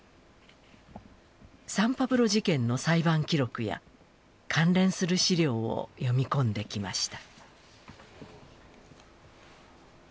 サンパブロ事件の裁判記録や関連する資料を読み込んできました。